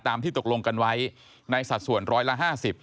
ที่ตกลงกันไว้ในสัดส่วนร้อยละ๕๐